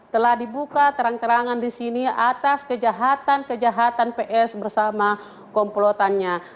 telah dibuka terang terangan di sini atas kejahatan kejahatan ps bersama komplotannya